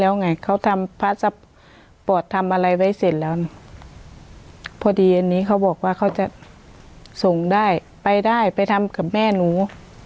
แล้วไงเขาทำพระทรัพย์ปอดทำอะไรไว้เสร็จแล้วนะพอดีอันนี้เขาบอกว่าเขาจะส่งได้ไปได้ไปทำกับแม่หนู